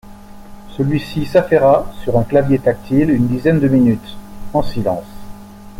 Celui-ci s’affaira sur un clavier tactile une dizaine de minutes, en silence.